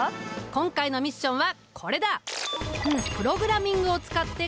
今回のミッションはこれだ！